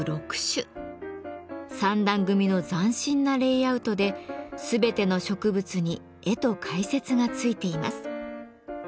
３段組みの斬新なレイアウトで全ての植物に絵と解説が付いています。